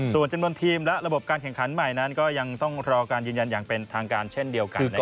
ส่วนจำนวนทีมและระบบการแข่งขันใหม่นั้นก็ยังต้องรอการยืนยันอย่างเป็นทางการเช่นเดียวกัน